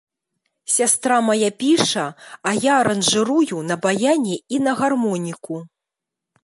Сястра мая піша, а я аранжырую на баяне і на гармоніку.